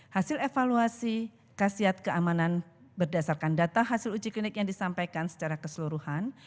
hasil evaluasi kasiat keamanan berdasarkan data hasil uji klinik yang disampaikan secara keseluruhan